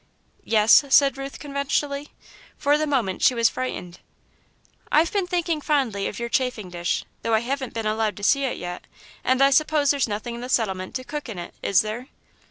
"Yes?" said Ruth, conventionally. For the moment she was frightened. "I've been thinking fondly of your chafing dish, though I haven't been allowed to see it yet, and I suppose there's nothing in the settlement to cook in it, is there?"